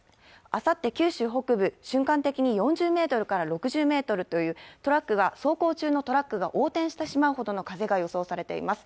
あさって九州北部、瞬間的に４０メートルから６０メートルという走行中のトラックが横転してしまうほどの風が予想されています。